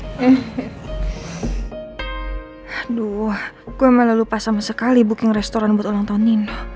aduh gue malah lupa sama sekali booking restoran buat ulang tahun nindo